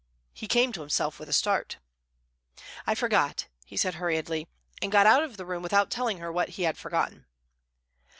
He came to himself with a start. "I forgot," he said hurriedly, and got out of the room without telling her what he had forgotten.